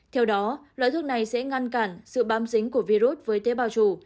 theo đó loại thuốc này sẽ ngăn cản sự bám dính của virus với tế bào trù